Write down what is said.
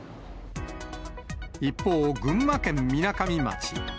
一方、群馬県みなかみ町。